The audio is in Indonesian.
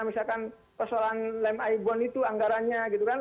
misalkan persoalan lem aibon itu anggarannya gitu kan